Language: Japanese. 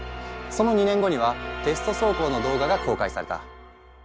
その２年後にはテスト走行の動画が公開された。